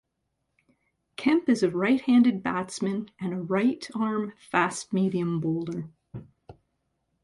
Kemp is a right-handed batsman and a right-arm fast medium bowler.